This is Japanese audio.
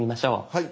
はい。